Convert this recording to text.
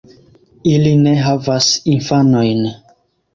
Ili ne havas infanojn.